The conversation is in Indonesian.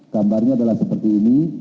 gambarnya adalah seperti ini